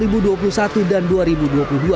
tim liputan cnn indonesia